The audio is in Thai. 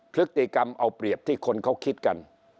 พฤติกรรมเอาเปรียบที่คนเขาคิดกัน